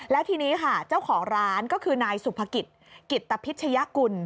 แล้วทีนี้ค่ะเจ้าของร้านก็คือนายสุภกิจกิตพิชยกุล